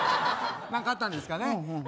なんかあったんですかね。